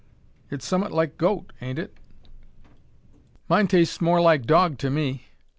"It's some'ut like goat, ain't it?" "Mine tastes more like dog to me."